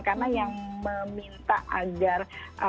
karena yang meminta agar